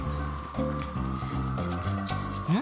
うん？